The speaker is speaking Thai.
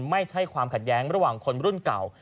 ไม่ใช่ความขัดแย้งระหว่างคนรุ่นเก่า